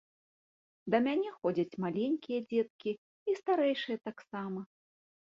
Да мяне ходзяць маленькія дзеткі і старэйшыя таксама.